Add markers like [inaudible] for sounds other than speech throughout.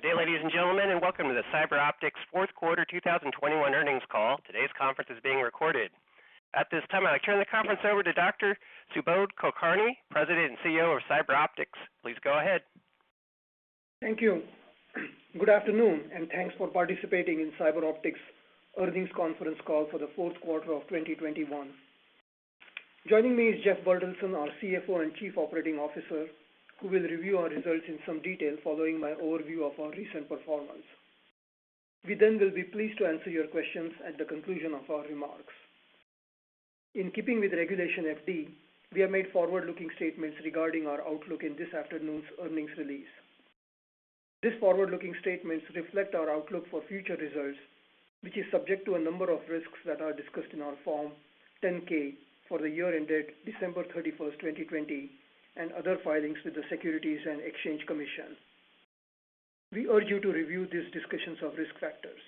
Good day, ladies and gentlemen, and welcome to the CyberOptics fourth quarter 2021 earnings call. Today's conference is being recorded. At this time, I'd like to turn the conference over to Dr. Subodh Kulkarni, President and CEO of CyberOptics. Please go ahead. Thank you. Good afternoon, and thanks for participating in CyberOptics earnings conference call for the fourth quarter of 2021. Joining me is Jeff Bertelsen, our CFO and Chief Operating Officer, who will review our results in some detail following my overview of our recent performance. We will be pleased to answer your questions at the conclusion of our remarks. In keeping with Regulation FD, we have made forward-looking statements regarding our outlook in this afternoon's earnings release. These forward-looking statements reflect our outlook for future results, which is subject to a number of risks that are discussed in our Form 10-K for the year ended December 31st, 2020, and other filings with the Securities and Exchange Commission. We urge you to review these discussions of risk factors.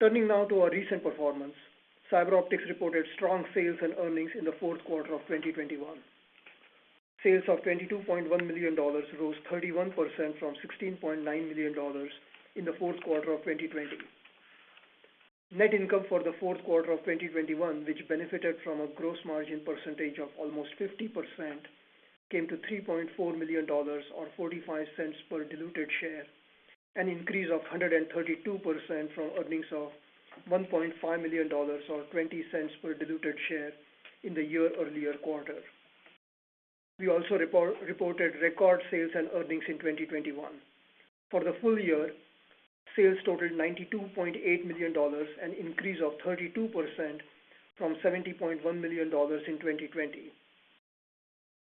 Turning now to our recent performance. CyberOptics reported strong sales and earnings in the fourth quarter of 2021. Sales of $22.1 million rose 31% from $16.9 million in the fourth quarter of 2020. Net income for the fourth quarter of 2021, which benefited from a gross margin percentage of almost 50% came to $3.4 million or $0.45 per diluted share, an increase of 132% from earnings of $1.5 million or $0.20 per diluted share in the year earlier quarter. We also reported record sales and earnings in 2021. For the full year, sales totaled $92.8 million, an increase of 32% from $70.1 million in 2020.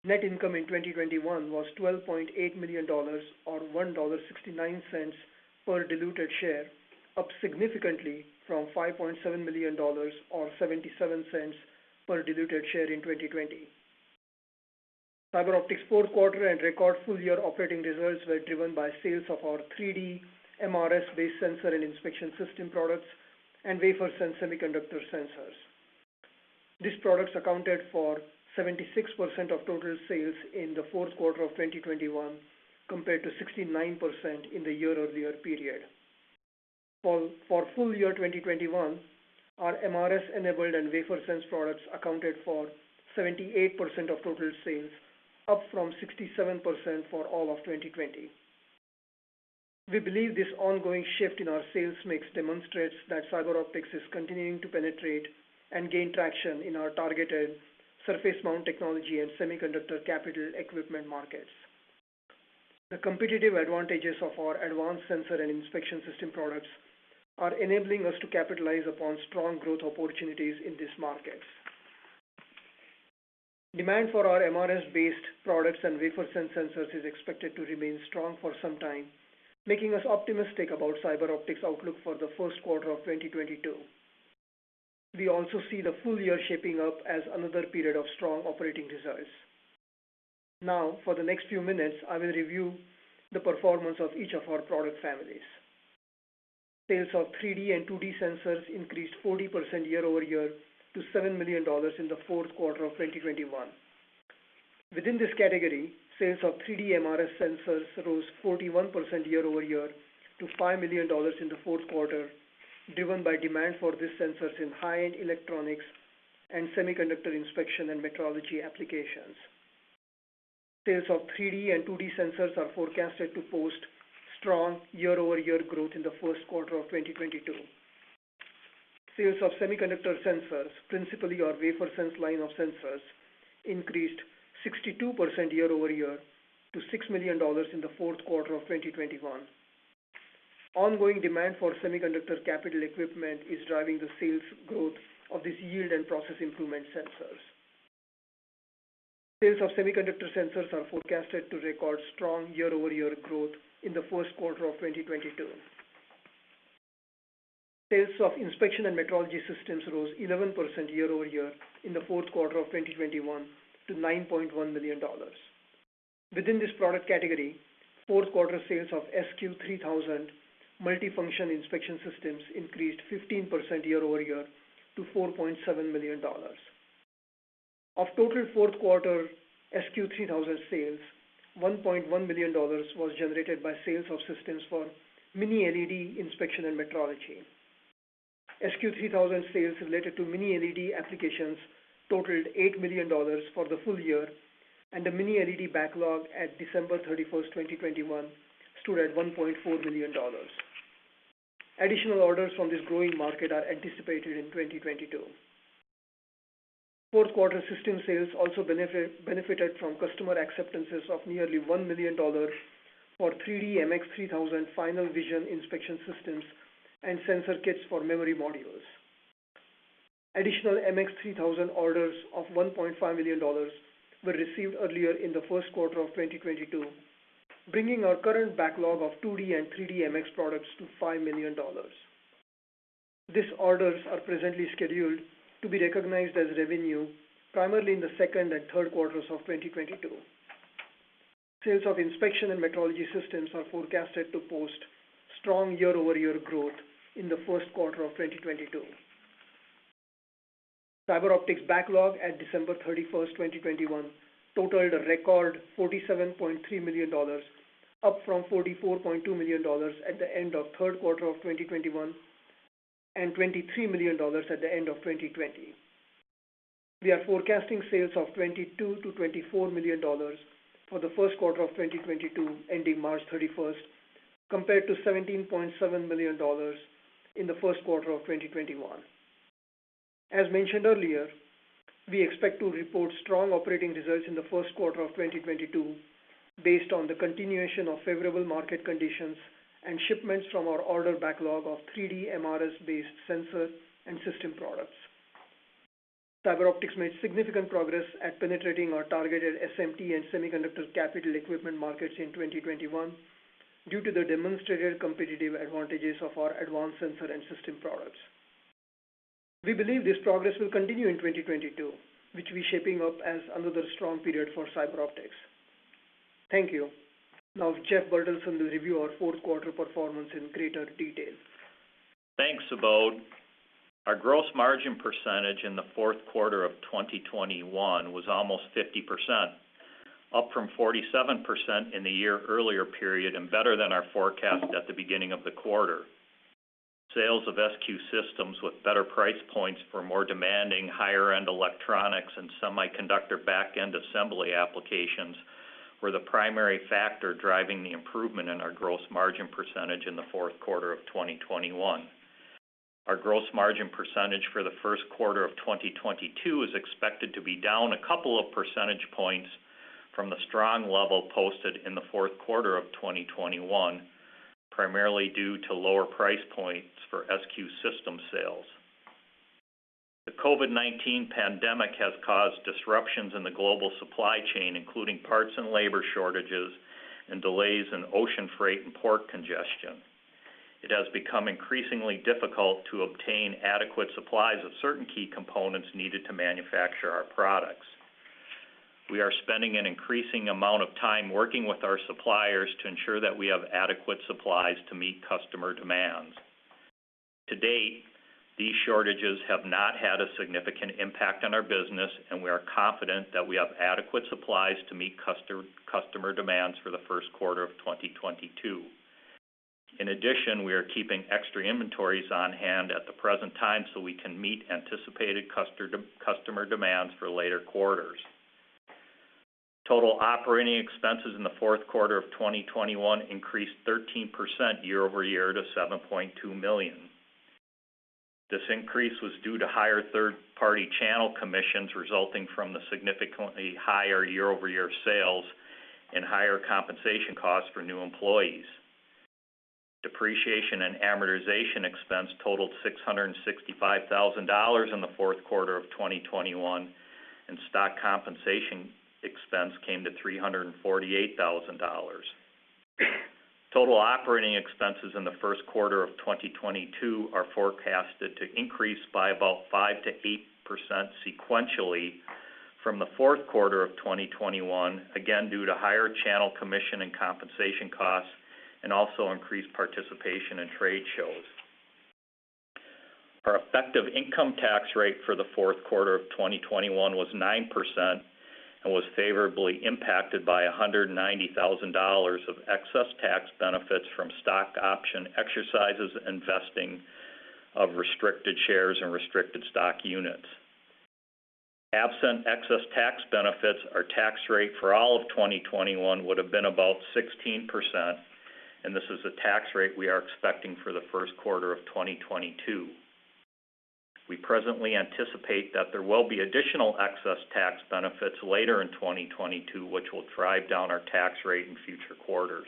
Net income in 2021 was $12.8 million or $1.69 per diluted share, up significantly from $5.7 million or $0.77 per diluted share in 2020. CyberOptics fourth quarter and record full-year operating results were driven by sales of our 3D MRS-based sensor and inspection system products and WaferSense semiconductor sensors. These products accounted for 76% of total sales in the fourth quarter of 2021 compared to 69% in the year earlier period. For full year 2021, our MRS-enabled and WaferSense products accounted for 78% of total sales, up from 67% for all of 2020. We believe this ongoing shift in our sales mix demonstrates that CyberOptics is continuing to penetrate and gain traction in our targeted surface mount technology and semiconductor capital equipment markets. The competitive advantages of our advanced sensor and inspection system products are enabling us to capitalize upon strong growth opportunities in these markets. Demand for our MRS-based products and WaferSense sensors is expected to remain strong for some time, making us optimistic about CyberOptics outlook for the first quarter of 2022. We also see the full year shaping up as another period of strong operating results. Now, for the next few minutes, I will review the performance of each of our product families. Sales of 3D and 2D sensors increased 40% year-over-year to $7 million in the fourth quarter of 2021. Within this category, sales of 3D MRS sensors rose 41% year-over-year to $5 million in the fourth quarter, driven by demand for these sensors in high-end electronics and semiconductor inspection and metrology applications. Sales of 3D and 2D sensors are forecasted to post strong year-over-year growth in the first quarter of 2022. Sales of semiconductor sensors, principally our WaferSense line of sensors, increased 62% year-over-year to $6 million in the fourth quarter of 2021. Ongoing demand for semiconductor capital equipment is driving the sales growth of this yield and process improvement sensors. Sales of semiconductor sensors are forecasted to record strong year-over-year growth in the first quarter of 2022. Sales of inspection and metrology systems rose 11% year-over-year in the fourth quarter of 2021 to $9.1 million. Within this product category, fourth quarter sales of SQ3000 multifunction inspection systems increased 15% year-over-year to $4.7 million. Of total fourth quarter SQ3000 sales, $1.1 million was generated by sales of systems for Mini LED inspection and metrology. SQ3000 sales related to Mini LED applications totaled $8 million for the full year, and the Mini LED backlog at December 31st, 2021, stood at $1.4 million. Additional orders from this growing market are anticipated in 2022. Fourth quarter system sales also benefited from customer acceptances of nearly $1 million for 3D MX3000 Final Vision Inspection systems and sensor kits for memory modules. Additional MX3000 orders of $1.5 million were received earlier in the first quarter of 2022, bringing our current backlog of 2D and 3D MX products to $5 million. These orders are presently scheduled to be recognized as revenue primarily in the second and third quarters of 2022. Sales of inspection and metrology systems are forecasted to post strong year-over-year growth in the first quarter of 2022. CyberOptics' backlog at December 31st, 2021 totaled a record $47.3 million, up from $44.2 million at the end of third quarter of 2021, and $23 million at the end of 2020. We are forecasting sales of $22 million-$24 million for the first quarter of 2022, ending March 31st, compared to $17.7 million in the first quarter of 2021. As mentioned earlier, we expect to report strong operating results in the first quarter of 2022 based on the continuation of favorable market conditions and shipments from our order backlog of 3D MRS-based sensor and system products. CyberOptics made significant progress at penetrating our targeted SMT and semiconductor capital equipment markets in 2021 due to the demonstrated competitive advantages of our advanced sensor and system products. We believe this progress will continue in 2022, which we're shaping up as another strong period for CyberOptics. Thank you. Now Jeff Bertelsen will review our fourth quarter performance in greater detail. Thanks, Subodh. Our gross margin percentage in the fourth quarter of 2021 was almost 50%, up from 47% in the year earlier period and better than our forecast at the beginning of the quarter. Sales of SQ systems with better price points for more demanding higher-end electronics and semiconductor back-end assembly applications were the primary factor driving the improvement in our gross margin percentage in the fourth quarter of 2021. Our gross margin percentage for the first quarter of 2022 is expected to be down a couple of percentage points from the strong level posted in the fourth quarter of 2021, primarily due to lower price points for SQ system sales. The COVID-19 pandemic has caused disruptions in the global supply chain, including parts and labor shortages and delays in ocean freight and port congestion. It has become increasingly difficult to obtain adequate supplies of certain key components needed to manufacture our products. We are spending an increasing amount of time working with our suppliers to ensure that we have adequate supplies to meet customer demands. To date, these shortages have not had a significant impact on our business, and we are confident that we have adequate supplies to meet customer demands for the first quarter of 2022. In addition, we are keeping extra inventories on hand at the present time, so we can meet anticipated customer demands for later quarters. Total operating expenses in the fourth quarter of 2021 increased 13% year-over-year to $7.2 million. This increase was due to higher third-party channel commissions resulting from the significantly higher year-over-year sales and higher compensation costs for new employees. Depreciation and amortization expense totaled $665,000 in the fourth quarter of 2021, and stock compensation expense came to $348,000. Total operating expenses in the first quarter of 2022 are forecasted to increase by about 5%-8% sequentially from the fourth quarter of 2021, again due to higher channel commission and compensation costs and also increased participation in trade shows. Our effective income tax rate for the fourth quarter of 2021 was 9% and was favorably impacted by $190,000 of excess tax benefits from stock option exercises and vesting of restricted shares and restricted stock units. Absent excess tax benefits, our tax rate for all of 2021 would have been about 16%, and this is the tax rate we are expecting for the first quarter of 2022. We presently anticipate that there will be additional excess tax benefits later in 2022, which will drive down our tax rate in future quarters.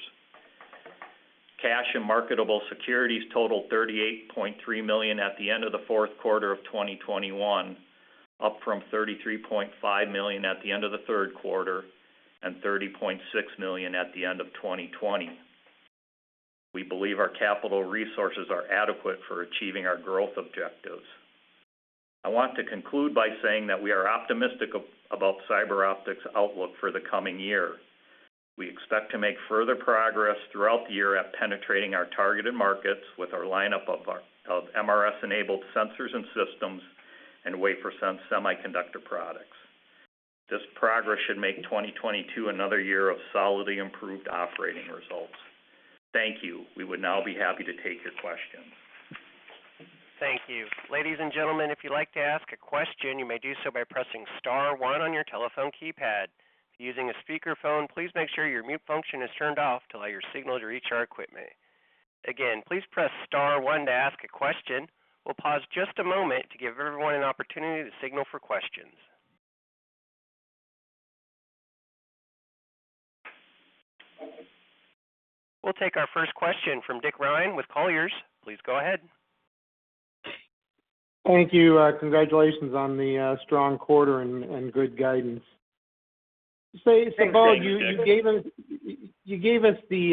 Cash and marketable securities totaled $38.3 million at the end of the fourth quarter of 2021, up from $33.5 million at the end of the third quarter and $30.6 million at the end of 2020. We believe our capital resources are adequate for achieving our growth objectives. I want to conclude by saying that we are optimistic about CyberOptics' outlook for the coming year. We expect to make further progress throughout the year at penetrating our targeted markets with our lineup of MRS-enabled sensors and systems and WaferSense semiconductor products. This progress should make 2022 another year of solidly improved operating results. Thank you. We would now be happy to take your questions. Thank you. Ladies and gentlemen, if you'd like to ask a question, you may do so by pressing star one on your telephone keypad. If you're using a speakerphone, please make sure your mute function is turned off to allow your signal to reach our equipment. Again, please press star one to ask a question. We'll pause just a moment to give everyone an opportunity to signal for questions. We'll take our first question from Dick Ryan with Colliers. Please go ahead. Thank you. Congratulations on the strong quarter and good guidance. Say, Subodh, you gave us the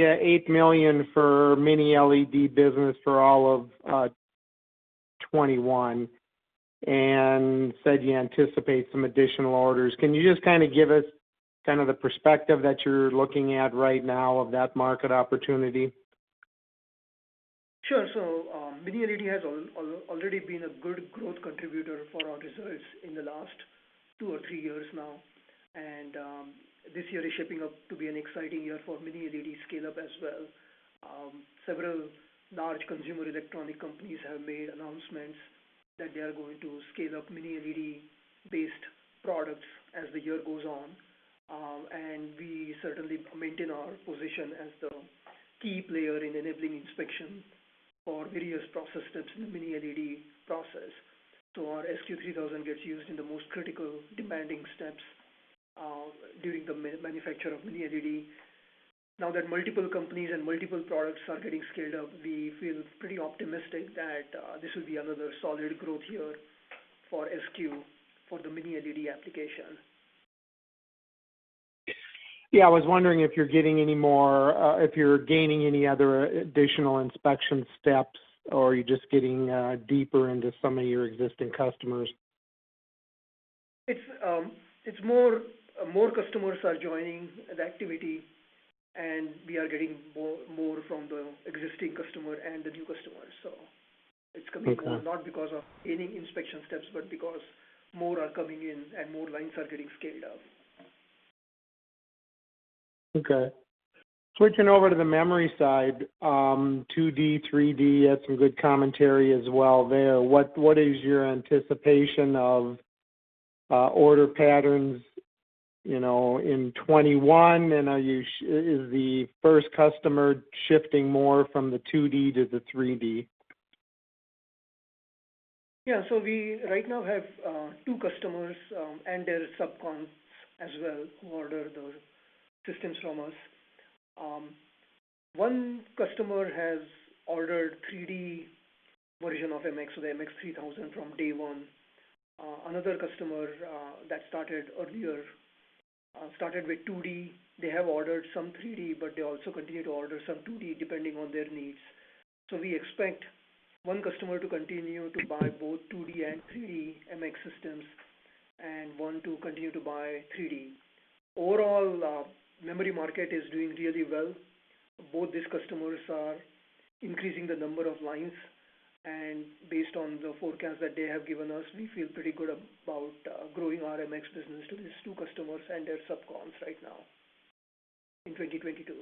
$8 million for Mini LED business for all of 2021, and said you anticipate some additional orders. Can you just kinda give us kind of the perspective that you're looking at right now of that market opportunity? Sure. Mini LED has already been a good growth contributor for our results in the last two or three years now. This year is shaping up to be an exciting year for Mini LED scale-up as well. Several large consumer electronic companies have made announcements that they are going to scale up Mini LED-based products as the year goes on. We certainly maintain our position as the key player in enabling inspection for various process steps in the Mini LED process. Our SQ3000 gets used in the most critical demanding steps during the manufacture of Mini LED. Now that multiple companies and multiple products are getting scaled up, we feel pretty optimistic that this will be another solid growth year for SQ for the Mini LED application. Yeah. I was wondering if you're gaining any other additional inspection steps, or you're just getting deeper into some of your existing customers. It's more customers are joining the activity, and we are getting more from the existing customer and the new customers. So it's coming. Okay. Not because of any inspection steps, but because more are coming in and more lines are getting scaled up. Okay. Switching over to the memory side, 2D, 3D, you had some good commentary as well there. What is your anticipation of order patterns, you know, in 2021? Is the first customer shifting more from the 2D to the 3D? Yeah. We right now have two customers and their subcons as well who order the systems from us. One customer has ordered 3D version of MX, so the MX3000 from day one. Another customer that started earlier started with 2D. They have ordered some 3D, but they also continue to order some 2D depending on their needs. We expect one customer to continue to buy both 2D and 3D MX systems, and one to continue to buy 3D. Overall, memory market is doing really well. Both these customers are increasing the number of lines. Based on the forecast that they have given us, we feel pretty good about growing our MX business to these two customers and their subcons right now in 2022.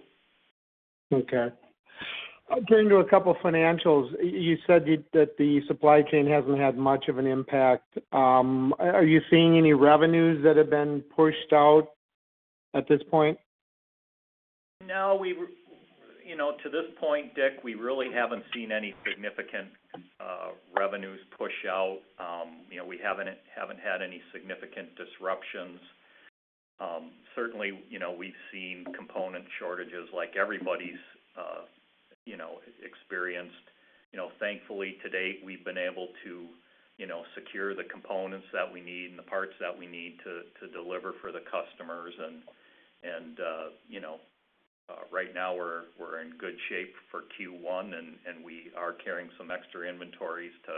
Okay. Getting to a couple financials. You said that the supply chain hasn't had much of an impact. Are you seeing any revenues that have been pushed out at this point? No. you know, to this point, Dick, we really haven't seen any significant revenues push out. You know, we haven't had any significant disruptions. Certainly, you know, we've seen component shortages like everybody's experienced. You know, thankfully, to date, we've been able to you know, secure the components that we need and the parts that we need to deliver for the customers. You know, right now we're in good shape for Q1, and we are carrying some extra inventories to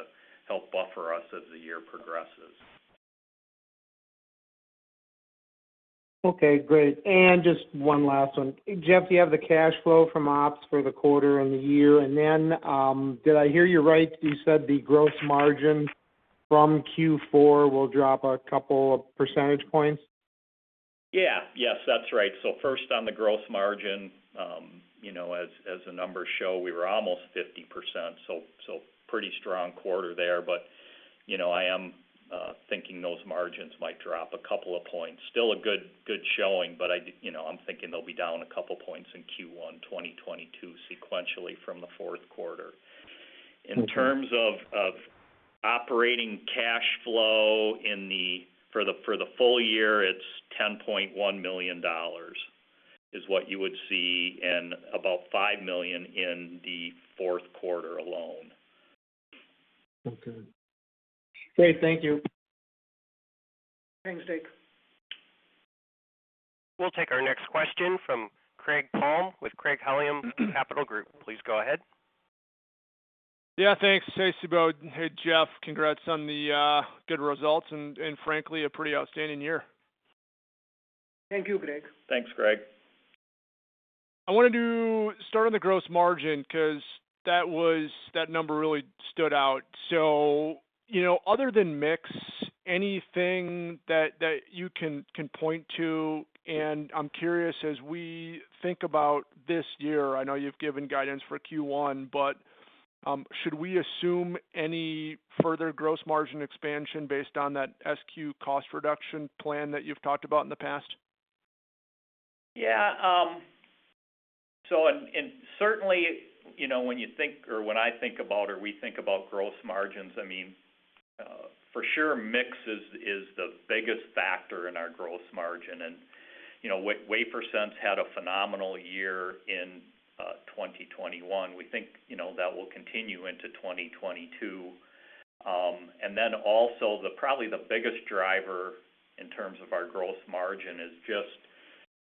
help buffer us as the year progresses. Okay, great. Just one last one. Jeff, do you have the cash flow from ops for the quarter and the year? Did I hear you right? You said the gross margin from Q4 will drop a couple of percentage points. Yeah. Yes, that's right. First on the gross margin, you know, as the numbers show, we were almost 50%, so pretty strong quarter there. You know, I am thinking those margins might drop a couple of points. Still a good showing, but you know, I'm thinking they'll be down a couple points in Q1 2022 sequentially from the fourth quarter. In terms of operating cash flow for the full year, it's $10.1 million, and about $5 million in the fourth quarter alone. Okay. Great. Thank you. Thanks, Dick. We'll take our next question from Greg Palm with Craig-Hallum Capital Group. Please go ahead. Yeah, thanks. Thanks, Subodh. Hey, Jeff. Congrats on the good results and frankly a pretty outstanding year. Thank you, Greg. Thanks, Greg. I wanted to start on the gross margin, 'cause that was that number really stood out. You know, other than mix, anything that you can point to? I'm curious, as we think about this year, I know you've given guidance for Q1, but should we assume any further gross margin expansion based on that SQ cost reduction plan that you've talked about in the past? Certainly, you know, when you think or when I think about or we think about gross margins, I mean, for sure mix is the biggest factor in our gross margin. You know, WaferSense had a phenomenal year in 2021. We think, you know, that will continue into 2022. Probably the biggest driver in terms of our gross margin is just,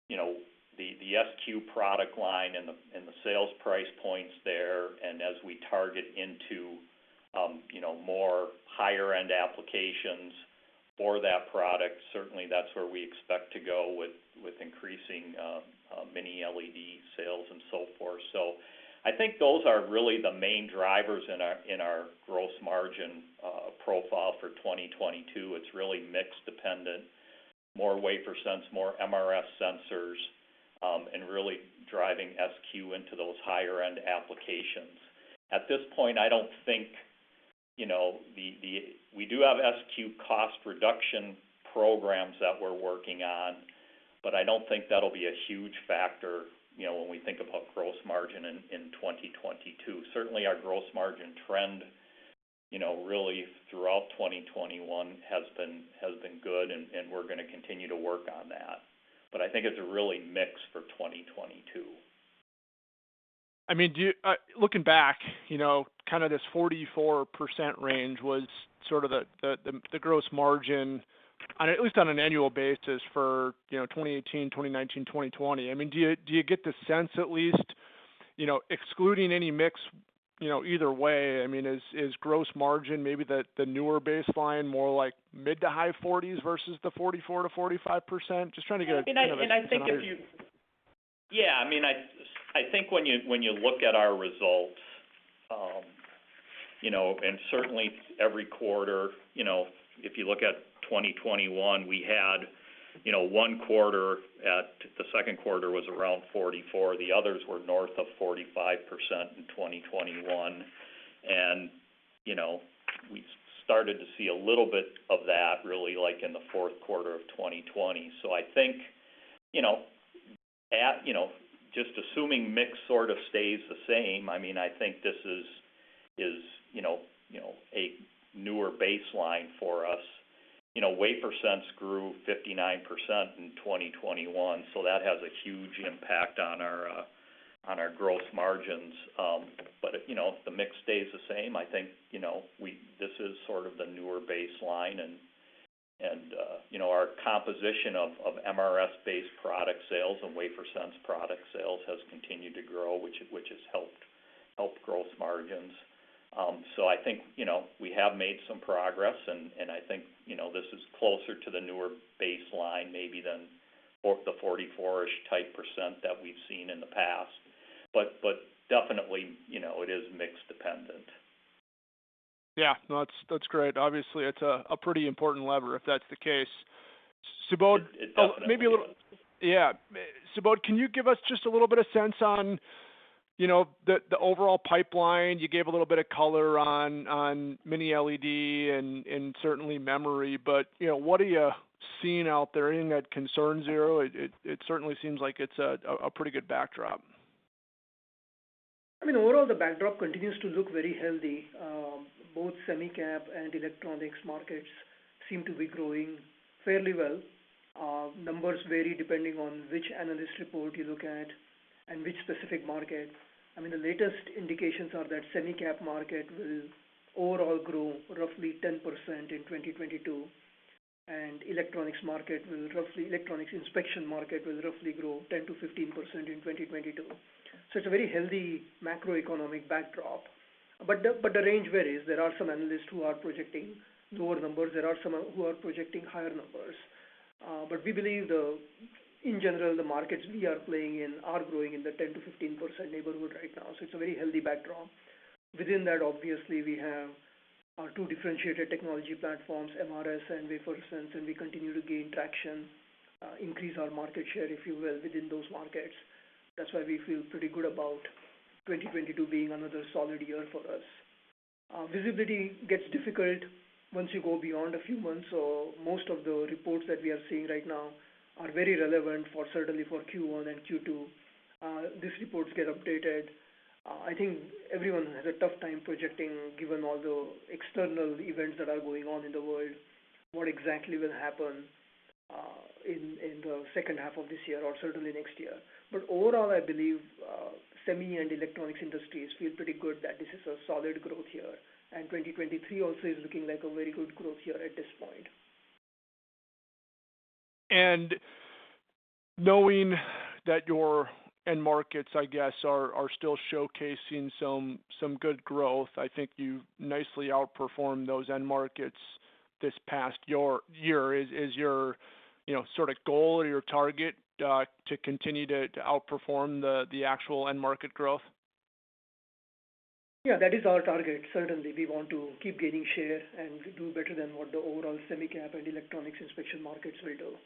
you know, the SQ product line and the sales price points there, and as we target into you know, more higher end applications for that product. Certainly, that's where we expect to go with increasing Mini LED sales and so forth. I think those are really the main drivers in our gross margin profile for 2022. It's really mix dependent, more WaferSense, more MRS sensors, and really driving SQ into those higher end applications. At this point, I don't think, you know, we do have SQ cost reduction programs that we're working on, but I don't think that'll be a huge factor, you know, when we think about gross margin in 2022. Certainly, our gross margin trend, you know, really throughout 2021 has been good, and we're gonna continue to work on that. But I think it's a really mix for 2022. I mean, looking back, you know, kind of this 44% range was sort of the gross margin on at least on an annual basis for, you know, 2018, 2019, 2020. I mean, do you get the sense at least, you know, excluding any mix, you know, either way. I mean, is gross margin maybe the newer baseline, more like mid to high 40s versus the 44%-45%? Just trying to get a kind [crosstalk] of a sense on it. Yeah. I mean, I think when you look at our results, you know, and certainly every quarter, you know, if you look at 2021, we had, you know, one quarter at. The second quarter was around 44%. The others were north of 45% in 2021. You know, we started to see a little bit of that really like in the fourth quarter of 2020. I think, you know, just assuming mix sort of stays the same, I mean, I think this is, you know, a newer baseline for us. You know, WaferSense grew 59% in 2021, so that has a huge impact on our gross margins. If, you know, the mix stays the same, I think, you know, this is sort of the newer baseline and, you know, our composition of MRS-based product sales and WaferSense product sales has continued to grow, which has helped gross margins. I think, you know, we have made some progress, and I think, you know, this is closer to the newer baseline maybe than for the 44%-ish type percent that we've seen in the past. Definitely, you know, it is mix dependent. Yeah. No, that's great. Obviously, it's a pretty important lever if that's the case. Subodh- It definitely is. Subodh, can you give us just a little bit of sense on, you know, the overall pipeline. You gave a little bit of color on Mini LED and certainly memory, but, you know, what are you seeing out there? Anything that concerns you? It certainly seems like it's a pretty good backdrop. I mean, overall, the backdrop continues to look very healthy. Both semi cap and electronics markets seem to be growing fairly well. Numbers vary depending on which analyst report you look at and which specific market. I mean, the latest indications are that semi cap market will overall grow roughly 10% in 2022, and electronics inspection market will roughly grow 10%-15% in 2022. It's a very healthy macroeconomic backdrop. The range varies. There are some analysts who are projecting lower numbers. There are some who are projecting higher numbers. We believe the markets we are playing in are growing in the 10%-15% neighborhood right now, so it's a very healthy backdrop. Within that, obviously, we have our two differentiated technology platforms, MRS and WaferSense, and we continue to gain traction, increase our market share, if you will, within those markets. That's why we feel pretty good about 2022 being another solid year for us. Visibility gets difficult once you go beyond a few months, so most of the reports that we are seeing right now are very relevant, certainly for Q1 and Q2. These reports get updated. I think everyone has a tough time projecting given all the external events that are going on in the world what exactly will happen in the second half of this year or certainly next year. Overall, I believe semi and electronics industries feel pretty good that this is a solid growth year. 2023 also is looking like a very good growth year at this point. Knowing that your end markets, I guess, are still showcasing some good growth, I think you've nicely outperformed those end markets this past year. Is your, you know, sort of goal or your target to continue to outperform the actual end market growth? Yeah, that is our target. Certainly, we want to keep gaining share and do better than what the overall semi cap and electronics inspection markets will do.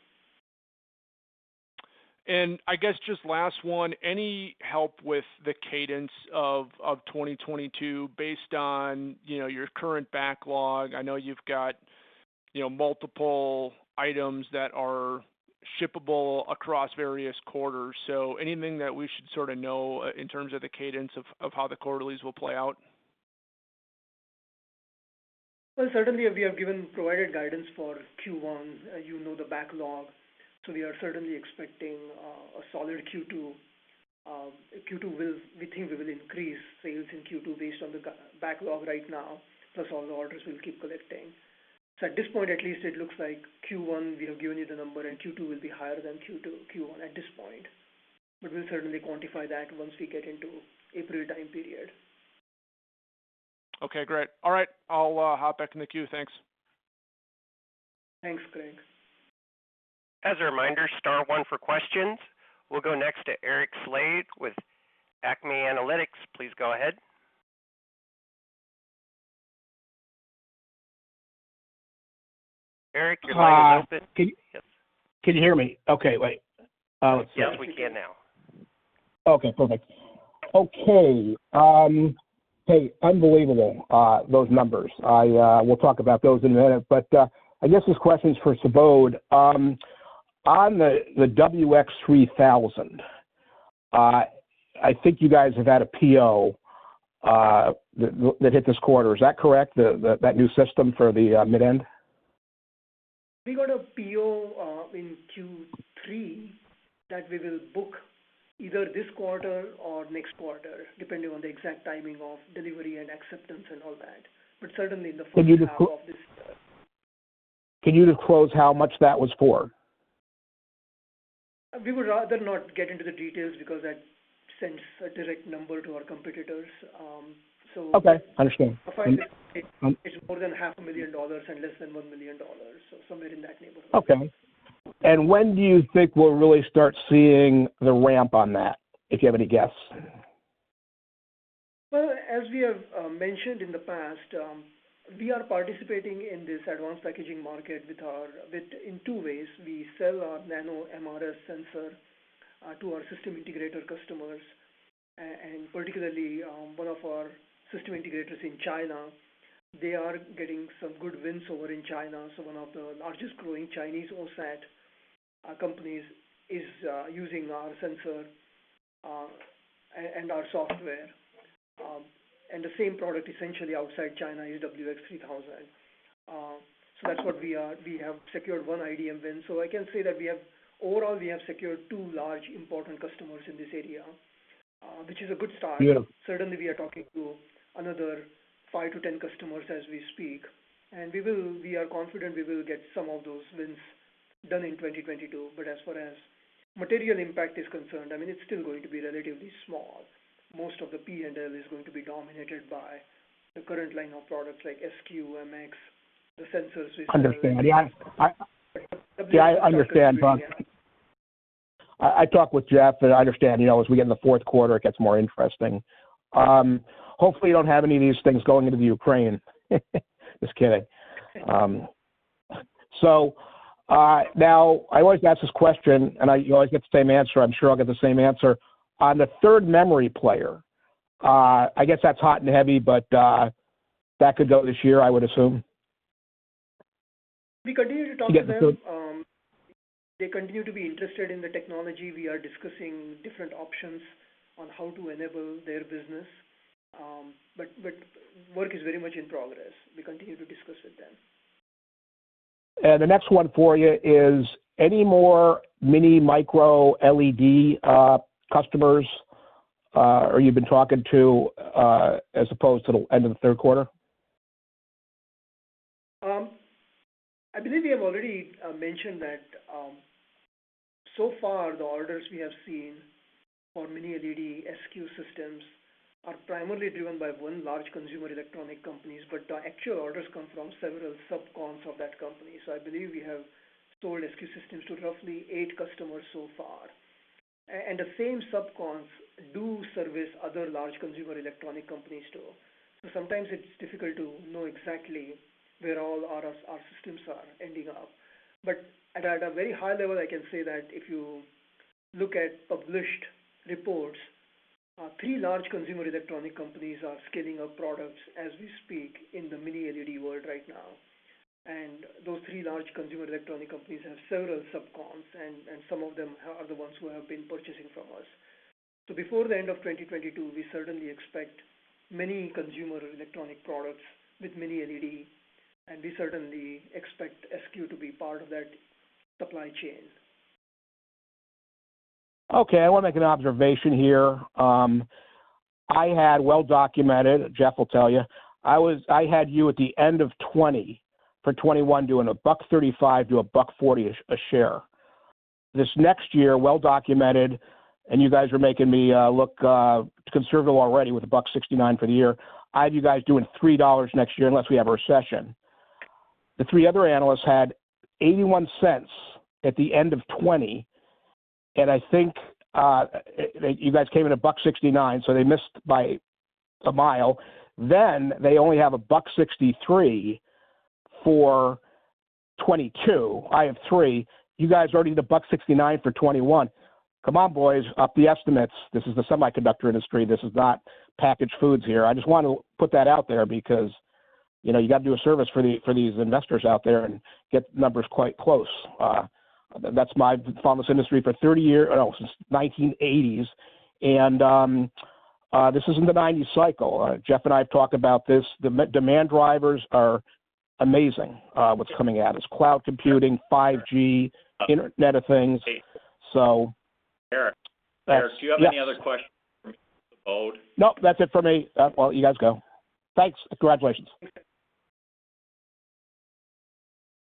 I guess just last one, any help with the cadence of 2022 based on, you know, your current backlog. I know you've got, you know, multiple items that are shippable across various quarters. Anything that we should sort of know in terms of the cadence of how the quarterlies will play out? Well, certainly we have provided guidance for Q1, you know the backlog, so we are certainly expecting a solid Q2. We think we will increase sales in Q2 based on the backlog right now, plus all the orders we'll keep collecting. At this point, at least it looks like Q1, we have given you the number, and Q2 will be higher than Q1 at this point. We'll certainly quantify that once we get into April time period. Okay, great. All right, I'll hop back in the queue. Thanks. Thanks, Greg. As a reminder, star one for questions. We'll go next to Eric Slade with ACME Analytics. Please go ahead. Eric, [crosstalk] your line is open. Uh, can... Can you hear me? Okay, wait. Yes, we can now. Okay, perfect. Okay, hey, unbelievable, those numbers. I will talk about those in a minute. I guess this question is for Subodh. On the WX3000, I think you guys have had a PO that hit this quarter. Is that correct? That new system for the mid-end? We got a PO in Q3 that we will book either this quarter or next quarter, depending on the exact timing of delivery and acceptance and all that. Certainly in the first half of this year. Can you disclose how much that was for? We would rather not get into the details because that sends a direct number to our competitors. Okay, understand. I'll find that it's more than $500,000 and less than $1 million, so somewhere in that neighborhood. Okay. When do you think we'll really start seeing the ramp on that? If you have any guess. Well, as we have mentioned in the past, we are participating in this advanced packaging market in two ways. We sell our Nano MRS sensor to our system integrator customers, and particularly, one of our system integrators in China. They are getting some good wins over in China. One of the largest growing Chinese OSAT companies is using our sensor and our software. The same product essentially outside China is WX3000. We have secured one IDM win. I can say that overall we have secured two large important customers in this area, which is a good start. Yeah. Certainly, we are talking to another five to 10 customers as we speak. We are confident we will get some of those wins done in 2022. As far as material impact is concerned, I mean, it's still going to be relatively small. Most of the P&L is going to be dominated by the current line of products like SQ, MX, the sensors we sell. Understand. Yeah, I. [crosstalk] The business. Yeah, I understand. I talked with Jeff, and I understand, you know, as we get into the fourth quarter, it gets more interesting. Hopefully, you don't have any of these things going into Ukraine. Just kidding. Now I always ask this question and I always get the same answer. I'm sure I'll get the same answer. On the third memory player, I guess that's hot and heavy, but that could go this year, I would assume. We continue to talk [crosstalk] to them. Yeah, so- They continue to be interested in the technology. We are discussing different options on how to enable their business. Work is very much in progress. We continue to discuss with them. The next one for you is: Any more Mini micro LED customers you've been talking to as opposed to the end of the third quarter? I believe we have already mentioned that so far the orders we have seen for Mini LED SQ systems are primarily driven by one large consumer electronics company, but the actual orders come from several subcons of that company. I believe we have sold SQ systems to roughly eight customers so far. The same subcons do service other large consumer electronics companies, too. Sometimes it's difficult to know exactly where all our systems are ending up. At a very high level, I can say that if you look at published reports, three large consumer electronics companies are scaling up products as we speak in the Mini LED world right now. Those three large consumer electronics companies have several subcons, and some of them are the ones who have been purchasing from us. Before the end of 2022, we certainly expect many consumer electronic products with Mini LED, and we certainly expect SQ to be part of that supply chain. Okay, I wanna make an observation here. I had well documented, Jeff will tell you, I had you at the end of 2020 for 2021 doing $1.35-$1.40 a share. This next year, well documented, and you guys are making me look conservative already with $1.69 for the year. I have you guys doing $3 next year unless we have a recession. The three other analysts had $0.81 at the end of 2020, and I think you guys came in $1.69, so they missed by a mile. Then they only have $1.63 for 2022. I have $3. You guys are already at $1.69 for 2021. Come on, boys, up the estimates. This is the semiconductor industry. This is not packaged foods here. I just want to put that out there because, you know, you got to do a service for these investors out there and get numbers quite close. That's my. I've followed this industry for 30 years, oh, since the 1980s. This isn't the 1990s cycle. Jeff and I have talked about this. The demand drivers are amazing, what's coming at us. Cloud computing, 5G, Internet of Things, so- Eric, do you have any other questions for Subodh? Nope, that's it for me. I'll let you guys go. Thanks. Congratulations.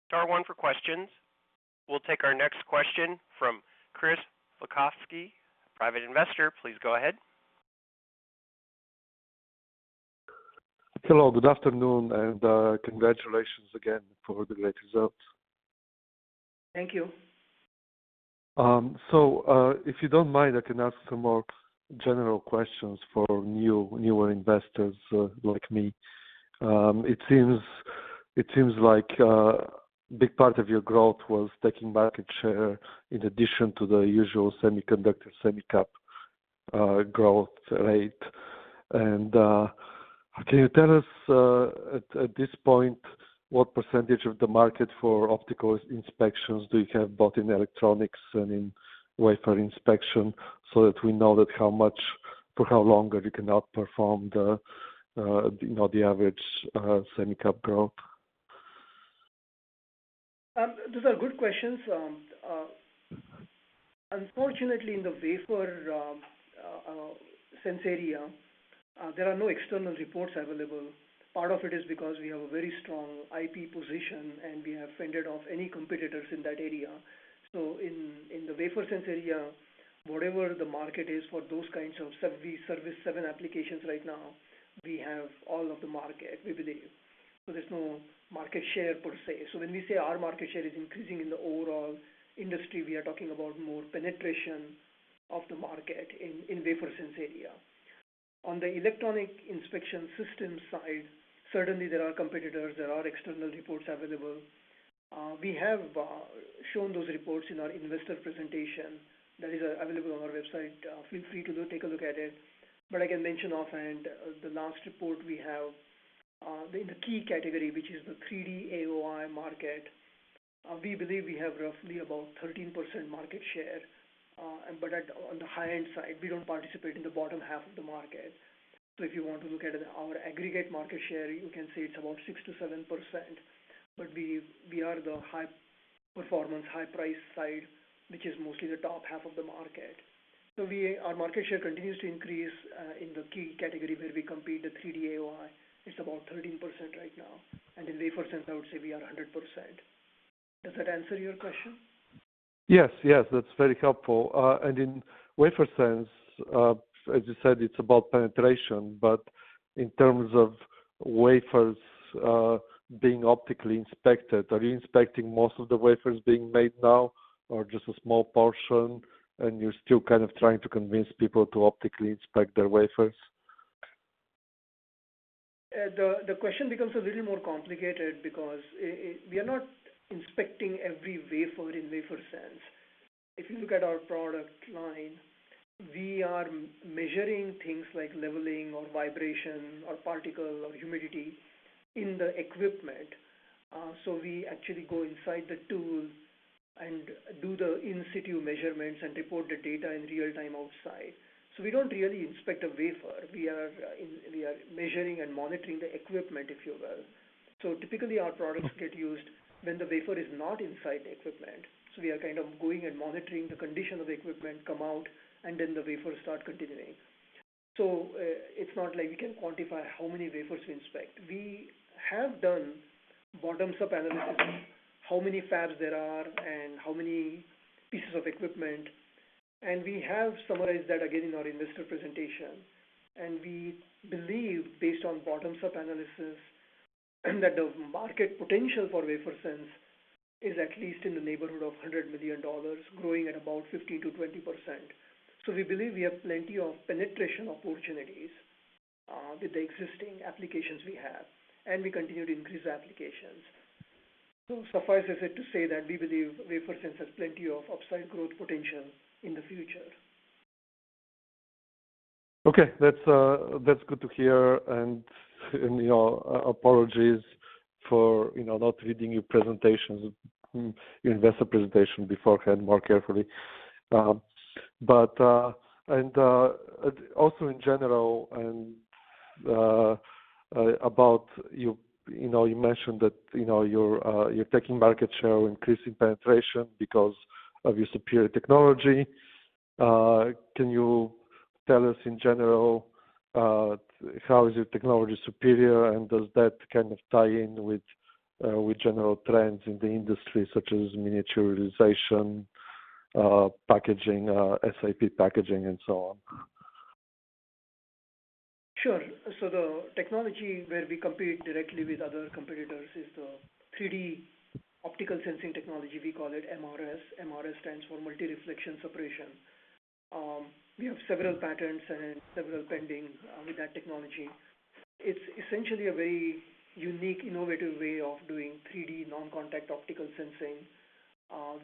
Star one for questions. We'll take our next question from Chris Witkowsky, Private Investor. Please go ahead. Hello, good afternoon, and congratulations again for the great results. Thank you. If you don't mind, I can ask some more general questions for newer investors like me. It seems like a big part of your growth was taking market share in addition to the usual semiconductor semi cap growth rate. Can you tell us at this point what percentage of the market for optical inspections do you have, both in electronics and in wafer inspection, so that we know that how much, for how long have you can outperform the, you know, the average semi cap growth? Those are good questions. Unfortunately in the WaferSense area, there are no external reports available. Part of it is because we have a very strong IP position, and we have fended off any competitors in that area. In the WaferSense area, whatever the market is for those kinds of we service seven applications right now, we have all of the market. We believe. There's no market share per se. When we say our market share is increasing in the overall industry, we are talking about more penetration of the market in the WaferSense area. On the electronic inspection system side, certainly there are competitors, there are external reports available. We have shown those reports in our investor presentation that is available on our website. Feel free to go take a look at it. I can mention offhand, the last report we have, the key category, which is the 3D AOI market, we believe we have roughly about 13% market share. On the high end side, we don't participate in the bottom half of the market. If you want to look at our aggregate market share, you can say it's about 6%-7%, but we are the high performance, high price side, which is mostly the top half of the market. Our market share continues to increase in the key category where we compete, the 3D AOI. It's about 13% right now. In WaferSense, I would say we are 100%. Does that answer your question? Yes. Yes. That's very helpful. In WaferSense, as you said, it's about penetration, but in terms of wafers, being optically inspected, are you inspecting most of the wafers being made now or just a small portion, and you're still kind of trying to convince people to optically inspect their wafers? The question becomes a little more complicated because we are not inspecting every wafer in WaferSense. If you look at our product line, we are measuring things like leveling or vibration or particle or humidity in the equipment. We actually go inside the tools and do the in-situ measurements and report the data in real time outside. We don't really inspect a wafer. We are measuring and monitoring the equipment, if you will. Typically our products get used when the wafer is not inside the equipment. We are kind of going and monitoring the condition of the equipment, come out, and then the wafer start continuing. It's not like we can quantify how many wafers we inspect. We have done bottoms-up analysis, how many fabs there are and how many pieces of equipment, and we have summarized that again in our investor presentation. We believe based on bottoms-up analysis, that the market potential for WaferSense is at least in the neighborhood of $100 million, growing at about 15%-20%. We believe we have plenty of penetration opportunities, with the existing applications we have, and we continue to increase the applications. Suffice it to say that we believe WaferSense has plenty of upside growth potential in the future. Okay. That's good to hear. You know, apologies for you know, not reading your presentations, your investor presentation beforehand more carefully. About you know, you mentioned that, you know, you're taking market share, increasing penetration because of your superior technology. Can you tell us in general how is your technology superior, and does that kind of tie in with general trends in the industry such as miniaturization, packaging, SIP packaging and so on? Sure. The technology where we compete directly with other competitors is the 3D optical sensing technology. We call it MRS. MRS stands for Multi-Reflection Suppression. We have several patents and several pending with that technology. It's essentially a very unique, innovative way of doing 3D non-contact optical sensing,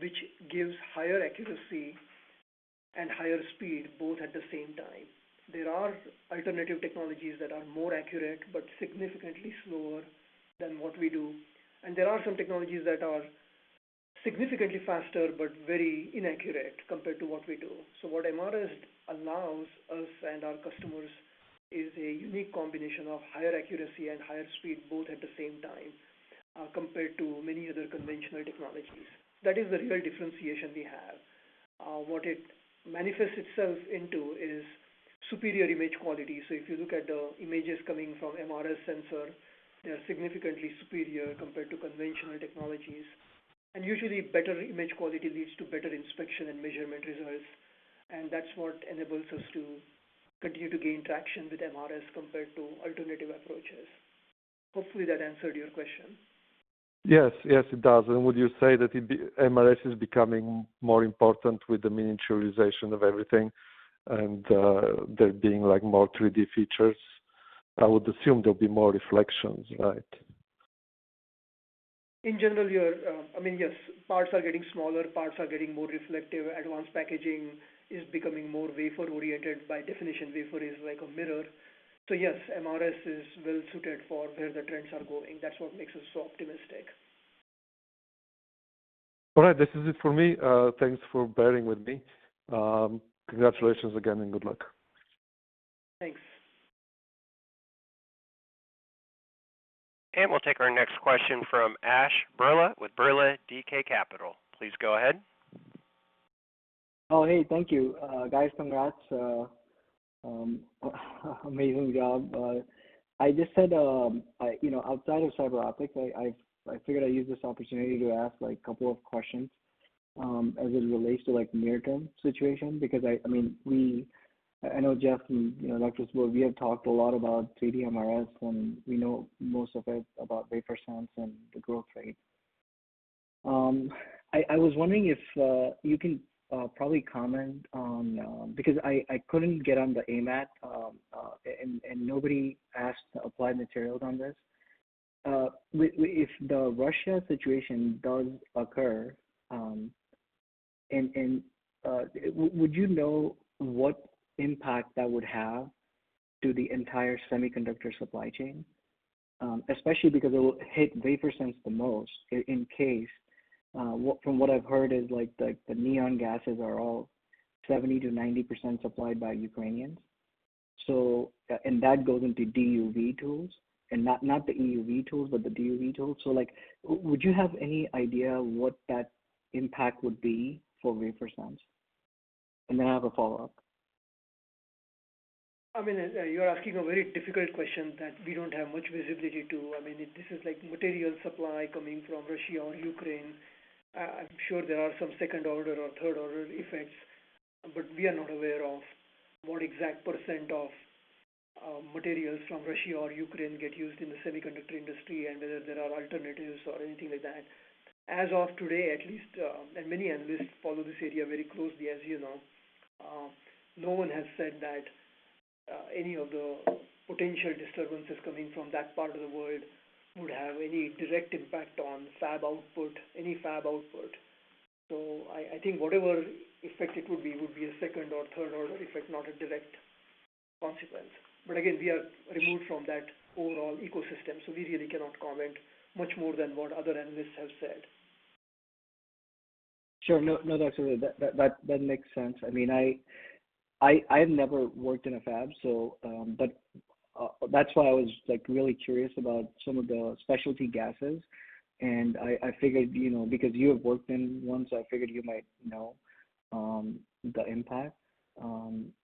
which gives higher accuracy and higher speed, both at the same time. There are alternative technologies that are more accurate but significantly slower than what we do. There are some technologies that are significantly faster but very inaccurate compared to what we do. What MRS allows us and our customers is a unique combination of higher accuracy and higher speed, both at the same time, compared to many other conventional technologies. That is the real differentiation we have. What it manifests itself into is superior image quality. If you look at the images coming from MRS sensor, they are significantly superior compared to conventional technologies. Usually better image quality leads to better inspection and measurement results, and that's what enables us to continue to gain traction with MRS compared to alternative approaches. Hopefully that answered your question. Yes. Yes, it does. Would you say that MRS is becoming more important with the miniaturization of everything and there being like more 3D features? I would assume there'll be more reflections, right? In general, you're, I mean, yes, parts are getting smaller, parts are getting more reflective. Advanced packaging is becoming more wafer-oriented. By definition, wafer is like a mirror. Yes, MRS is well suited for where the trends are going. That's what makes us so optimistic. All right. This is it for me. Thanks for bearing with me. Congratulations again and good luck. Thanks. We'll take our next question from Ash Birla with BirlaDK Capital. Please go ahead. Oh, hey. Thank you. Guys, congrats. Amazing job. I just had you know outside of CyberOptics, I figured I'd use this opportunity to ask like a couple of questions, as it relates to like near-term situation because I mean, we I know Jeff and, you know, Subodh, we have talked a lot about 3D MRS and we know most of it about WaferSense and the growth rate. I was wondering if you can probably comment on, because I couldn't get on the AMAT, and nobody asked Applied Materials on this. If the Russia situation does occur, would you know what impact that would have to the entire semiconductor supply chain? Especially because it will hit WaferSense the most in case, what. From what I've heard is like the neon gases are all 70%-90% supplied by Ukrainians. That goes into DUV tools and not the EUV tools but the DUV tools. Like, would you have any idea what that impact would be for WaferSense? Then I have a follow-up. I mean, you're asking a very difficult question that we don't have much visibility to. I mean, this is like material supply coming from Russia or Ukraine. I'm sure there are some second order or third order effects, but we are not aware of what exact percent of materials from Russia or Ukraine get used in the semiconductor industry and whether there are alternatives or anything like that. As of today, at least, and many analysts follow this area very closely, as you know, no one has said that any of the potential disturbances coming from that part of the world would have any direct impact on fab output. I think whatever effect it would be, it would be a second or third order effect, not a direct consequence. Again, we are removed from that overall ecosystem, so we really cannot comment much more than what other analysts have said. Sure. No, Dr. That makes sense. I mean, I've never worked in a fab, so that's why I was like really curious about some of the specialty gases. I figured, you know, because you have worked in one, so I figured you might know the impact.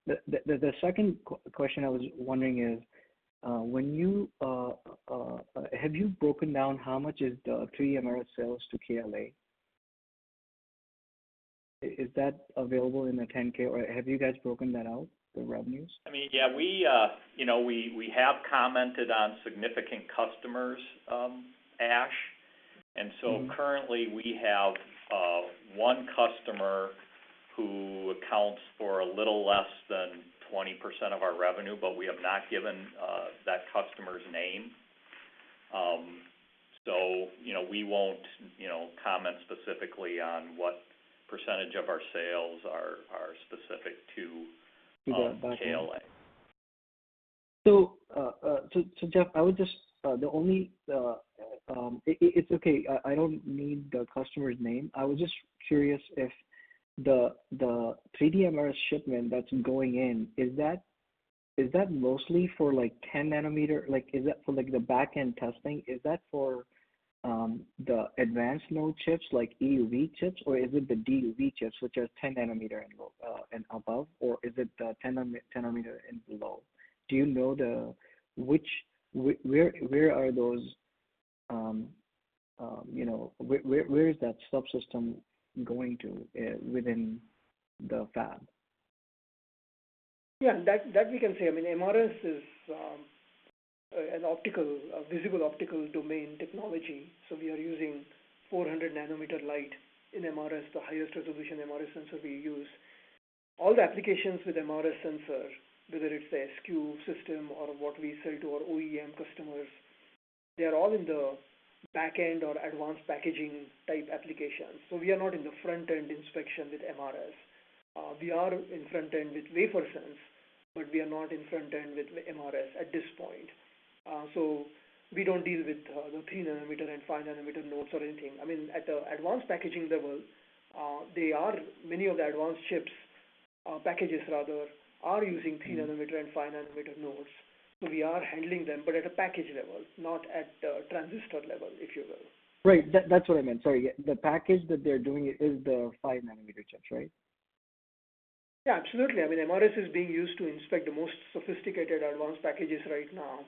The second question I was wondering is, have you broken down how much is the 3D MRS sales to KLA? Is that available in the 10-K or have you guys broken that out, the revenues? I mean, yeah, you know, we have commented on significant customers, Ash. Mm-hmm. Currently we have one customer who accounts for a little less than 20% of our revenue, but we have not given that customer's name. You know, we won't, you know, comment specifically on what percentage of our sales are specific to- To that customer. KLA. Jeff, it's okay. I don't need the customer's name. I was just curious if the 3D MRS shipment that's going in is that mostly for like 10 nm? Like is that for like the back-end testing? Is that for the advanced node chips like EUV chips or is it the DUV chips, which are 10 nm and above, or is it the 10 nm and below? Do you know where those, you know, where that subsystem is going to within the fab? Yeah, that we can say. I mean, MRS is a visible optical domain technology, so we are using 400 nm light in MRS, the highest resolution MRS sensor we use. All the applications with MRS sensor, whether it's the SQ system or what we sell to our OEM customers, they're all in the back-end or advanced packaging type applications. We are not in the front-end inspection with MRS. We are in front end with WaferSense, but we are not in front end with MRS at this point. We don't deal with the three nm and five nm nodes or anything. I mean, at the advanced packaging level, many of the advanced chips, packages rather, are using three nm and five nm nodes. We are handling them, but at a package level, not at the transistor level, if you will. Right. That's what I meant. Sorry. Yeah. The package that they're doing is the 5 nm chips, right? Yeah, absolutely. I mean, MRS is being used to inspect the most sophisticated advanced packages right now.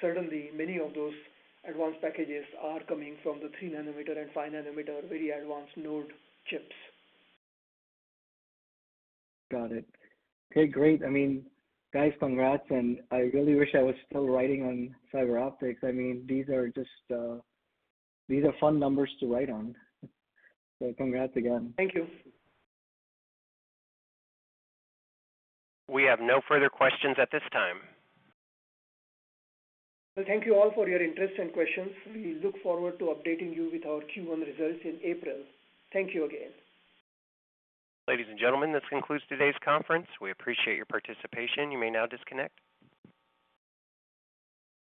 Certainly many of those advanced packages are coming from the three nm and five nm very advanced node chips. Got it. Okay, great. I mean, guys, congrats, and I really wish I was still writing on CyberOptics. I mean, these are just fun numbers to write on. Congrats again. Thank you. We have no further questions at this time. Well, thank you all for your interest and questions. We look forward to updating you with our Q1 results in April. Thank you again. Ladies and gentlemen, this concludes today's conference. We appreciate your participation. You may now disconnect.